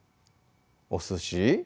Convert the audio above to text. おすし？